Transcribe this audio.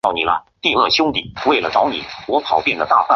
东亚东方虾蛄为虾蛄科东方虾蛄属下的一个种。